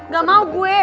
gak mau gue